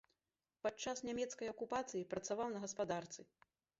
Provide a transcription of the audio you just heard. Падчас нямецкай акупацыі працаваў на гаспадарцы.